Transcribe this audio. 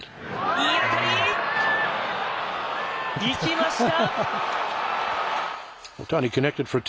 いい当たり！いきました。